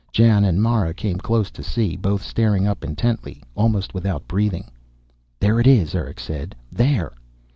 Jan and Mara came close to see, both staring up intently, almost without breathing. "There it is," Erick said. "There!"